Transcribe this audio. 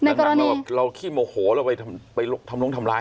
ในกรณีเราขี้โมโหเราไปลงทำร้าย